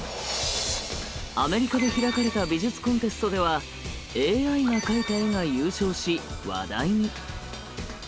アメリカで開かれた美術コンテストではＡＩが描いた絵が優勝し話題に。